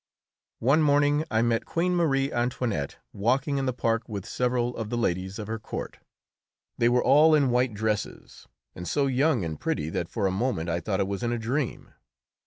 One morning I met Queen Marie Antoinette walking in the park with several of the ladies of her court. They were all in white dresses, and so young and pretty that for a moment I thought I was in a dream.